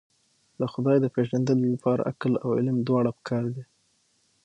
د خدای د پېژندنې لپاره عقل او علم دواړه پکار دي.